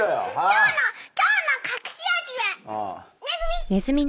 今日の今日の隠し味はネズミ！